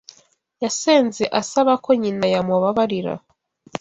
Yasenze asaba ko nyina yamubabarira.